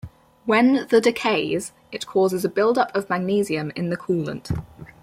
When the decays, it causes a buildup of magnesium in the coolant.